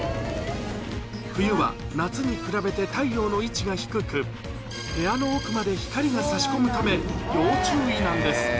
冬は夏に比べて太陽の位置が低く、部屋の奥まで光が差し込むため、要注意なんです。